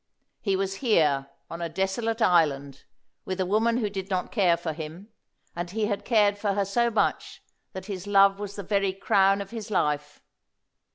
He was here on a desolate island, with a woman who did not care for him, and he had cared for her so much that his love was the very crown of his life.